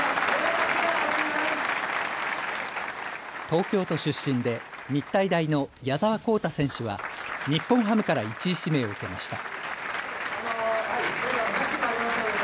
東京都出身で日体大の矢澤宏太選手は日本ハムから１位指名を受けました。